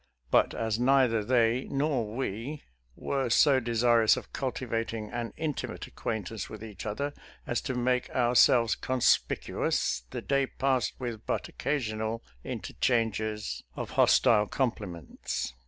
But as neither they nor we were so desirous of cultivating an intimate acquaintance with each other as to make ourselves conspicu ous, the day passed with but occasional inter changes of hostile compliments.